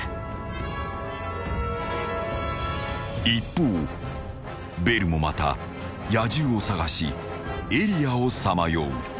［一方ベルもまた野獣を捜しエリアをさまよう］